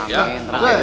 jangan terlalu baik ya